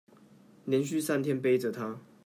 連續三天背著她